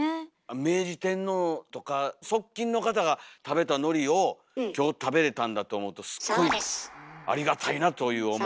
明治天皇とか側近の方が食べたのりを今日食べれたんだと思うとすっごいありがたいなという思いです。